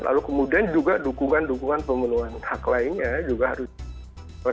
lalu kemudian juga dukungan dukungan pemenuhan hak lainnya juga harus